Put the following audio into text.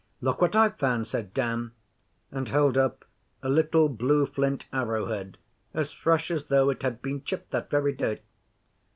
'Look what I've found, said Dan, and held up a little blue flint arrow head as fresh as though it had been chipped that very day.